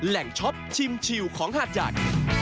แหล่งช็อปชิมชิลของหาดใหญ่